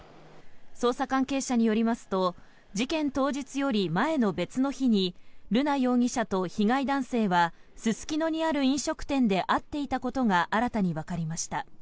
捜査関係者によりますと事件当日より前の別の日に瑠奈容疑者と被害男性はすすきのにある飲食店で会っていたことが新たにわかりました。